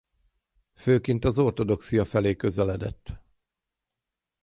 Főként az ortodoxia felé közeledett.